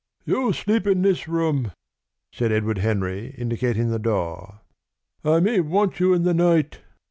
"You'll sleep in this room," said Edward Henry, indicating the door. "I may want you in the night."